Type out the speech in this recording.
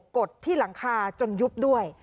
กดที่หลังคาจนยุบด้วย